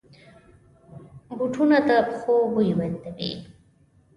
بوټونه د پښو بوی بندوي.